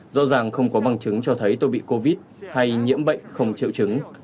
rõ ràng không có bằng chứng cho thấy tôi bị covid hay nhiễm bệnh không triệu chứng